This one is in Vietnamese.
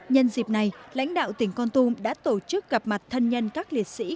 nhân dịp này lãnh đạo tỉnh con tum đã tổ chức gặp mặt thân nhân các liệt sĩ